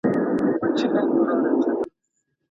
د نجونو لیلیه له پامه نه غورځول کیږي.